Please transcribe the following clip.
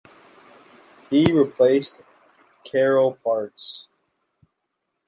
He replaced Kaarel Parts.